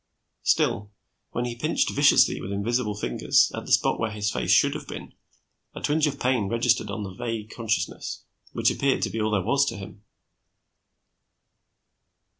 Still, when he pinched viciously with invisible fingers at the spot where his face should have been, a twinge of pain registered on the vague consciousness which appeared to be all there was to him.